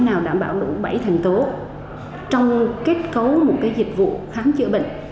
bệnh viện đã đảm bảo đủ bảy thành tố trong kết cấu một dịch vụ kháng chữa bệnh